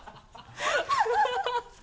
ハハハ